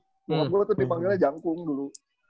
orang dulu tuh dipanggilnya jangkung dulu